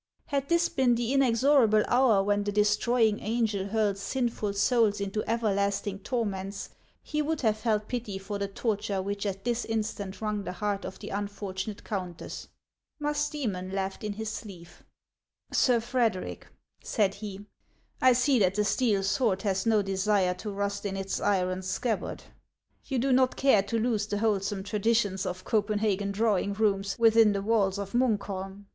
Had this been the inexorable hour when the destroying angel hurls sinful souls into everlasting torments, he would have felt pity for the torture which at this instant wrung the heart of the unfortunate countess. Musdoemon laughed in his sleeve. "Sir Frederic," said he, "I see that the steel sword has no desire to rust in its iron scabbard. You do not care to lose the wholesome traditions of Copenhagen drawing rooms within the walls of Munkholm.